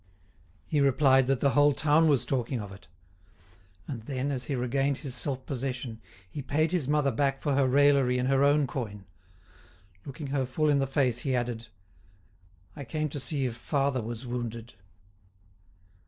He replied that the whole town was talking of it. And then, as he regained his self possession, he paid his mother back for her raillery in her own coin. Looking her full in the face he added: "I came to see if father was wounded."